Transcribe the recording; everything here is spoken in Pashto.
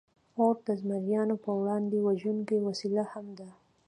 اور د زمریانو پر وړاندې وژونکې وسله هم ده.